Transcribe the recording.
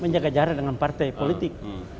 menjaga jarak dengan partai politik